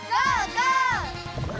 ゴー！